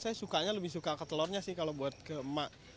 saya sukanya lebih suka ke telurnya sih kalau buat ke emak